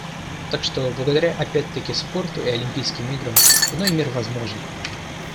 Так что благодаря, опять-таки, спорту и Олимпийским играм, иной мир возможен.